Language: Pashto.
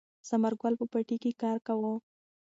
ثمر ګل په پټي کې کار کاوه.